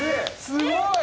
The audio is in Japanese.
すごい。